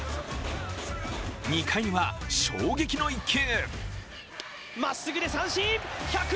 ２回には衝撃の一球。